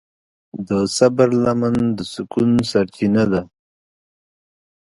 د صبر لمن د سکون سرچینه ده.